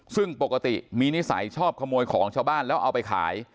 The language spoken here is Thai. ซึ่งปกติมีนิสัยชอบขโมยของชาวบ้านแล้วเอาไปขาย